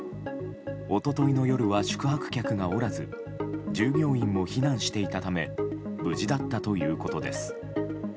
一昨日の夜は宿泊客がおらず従業員も避難していたため無事だったということです。